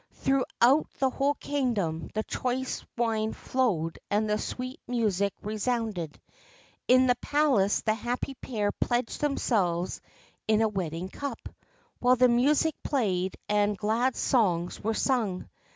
Through out the whole kingdom the choice wine flowed and the sweet music resounded. In the palace the happy pair pledged themselves in a wedding cup, while the music played and glad songs were sung.